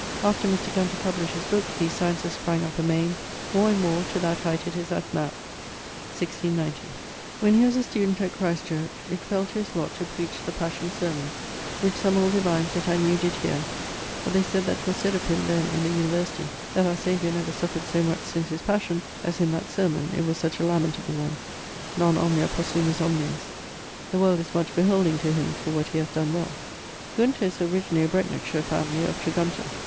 After Mr. Gunter published his booke, these sciences sprang up amain, more and more to that height it is at now (1690). When he was a student at Christ Church, it fell to his lott to preach the Passion sermon, which some old divines that I knew did heare, but they sayd that 'twas sayd of him then in the University that our Saviour never suffered so much since his passion as in that sermon, it was such a lamentable one Non omnia possumus omnes. The world is much beholding to him for what he hath donne well. Gunter is originally a Brecknockshire family, of Tregunter.